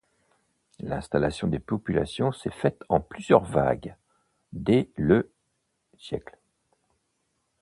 L'installation des populations s'est faite en plusieurs vagues dès le siècle.